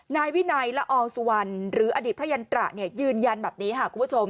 นายวินัยละอองสุวรรณหรืออดีตพระยันตระยืนยันแบบนี้ค่ะคุณผู้ชม